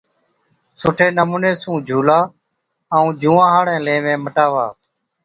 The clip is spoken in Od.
سُٺي نمُوني سُون جھُولا ائُون جُوئان هاڙين ليوين مٽاوا۔